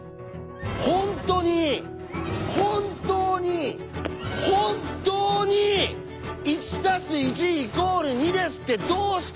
「本当に本当に本当に１＋１＝２です」ってどうして言えるんですか？